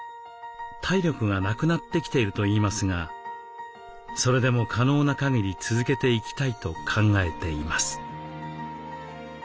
体力がなくなってきているといいますがそれでも可能なかぎり続けていきたいと考えています。